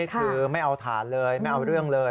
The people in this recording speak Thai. คือไม่เอาฐานเลยไม่เอาเรื่องเลย